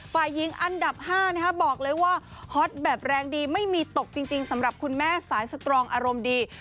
ฝ่ายหญิงอันดับ๕บอกเลยว่าฮอตแบบแรงดีไม่มีตกจริงสำหรับคุณแม่สายสตรองอารมณ์ดี